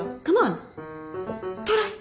トライ？